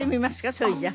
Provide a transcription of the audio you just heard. それじゃあ。